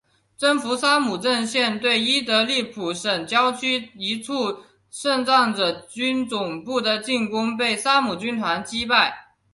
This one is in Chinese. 征服沙姆阵线对伊德利卜省郊区一处圣战者军总部的进攻被沙姆军团击退。